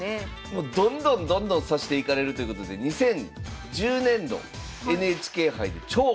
もうどんどんどんどん指していかれるということで２０１０年度ＮＨＫ杯で超早指しを披露されます。